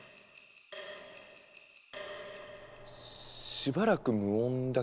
しばらく無音だけど。